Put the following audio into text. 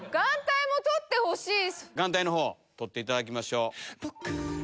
眼帯取っていただきましょう。